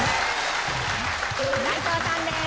齋藤さんです。